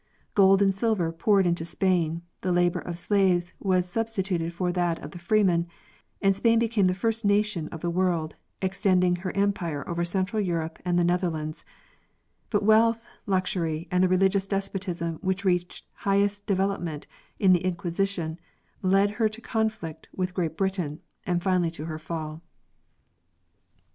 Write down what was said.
Gold and silver poured into Spain, the labor of slaves was substituted for that of the freeman, and Spain became the first nation of the world, extending her em pire over central Europe and the Netherlands; but wealth, luxury, and the religious despotism which reached highest de velopment in the Inquisition led to her conflict with Great Britain and finally to her fall.